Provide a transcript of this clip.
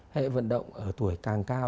hệ vận động ở tuổi càng cao